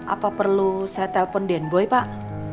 apa perlu saya telpon den boy pak